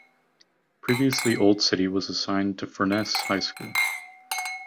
Previously Old City was assigned to Furness High School.